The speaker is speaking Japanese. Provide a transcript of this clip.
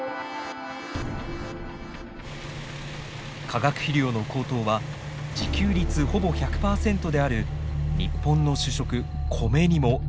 化学肥料の高騰は自給率ほぼ１００％である日本の主食コメにも影響を与えます。